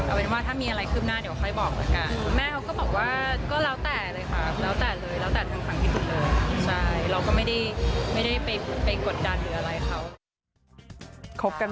เอาเป็นว่าถ้ามีอะไรคืบหน้าเดี๋ยวค่อยบอกละกัน